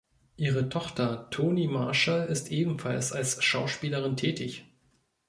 Ihre Tochter Tonie Marshall ist ebenfalls als Schauspielerin tätig.